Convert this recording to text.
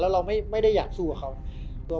เราไม่ได้อยากสู้กับเขา